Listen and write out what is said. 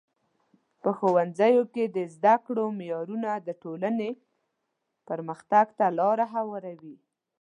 په ښوونځیو کې د زده کړو معیارونه د ټولنې پرمختګ ته لار هواروي.